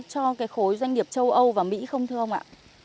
cho cái khối doanh nghiệp châu âu và mỹ không thưa ông ạ